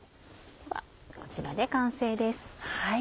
ではこちらで完成です。